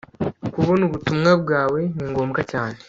kubona ubutumwa bwawe ni ngombwa cyane